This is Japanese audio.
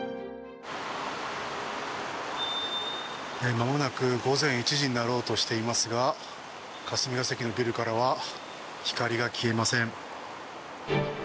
まもなく午前１時になろうとしていますが霞が関のビルからは光が消えません。